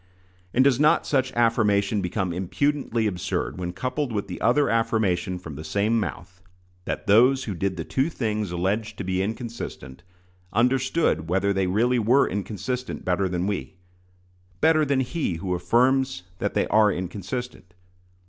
And does not such affirmation become impudently absurd when coupled with the other affirmation from the same mouth, that those who did the two things alleged to be inconsistent, understood whether they really were inconsistent better than we better than he who affirms that they are inconsistent?